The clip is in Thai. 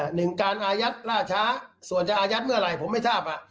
หนึ่งการอายัดล่าช้าส่วนจะอายัดเมื่อไหร่ผมไม่ทราบ